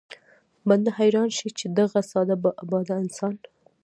بنده حيران شي چې دغه ساده باده انسان